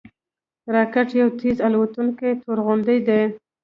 راکټ یو تېز الوتونکی توغندی دی